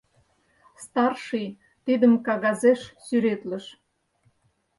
Старший тидым кагазеш сӱретлыш.